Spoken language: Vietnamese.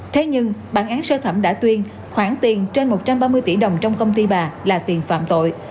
thế nhưng bản án sơ thẩm đã tuyên khoảng tiền trên một trăm ba mươi tỷ đồng trong công ty bà là tiền phạm tội